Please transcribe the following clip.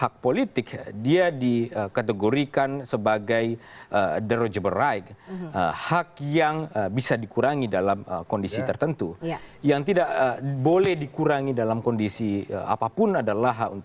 kita harus agak dingin sedikit